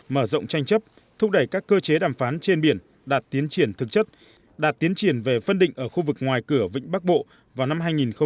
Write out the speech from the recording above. mở rộng tranh chấp thúc đẩy các cơ chế đàm phán trên biển đạt tiến triển thực chất đạt tiến triển về phân định ở khu vực ngoài cửa vịnh bắc bộ vào năm hai nghìn hai mươi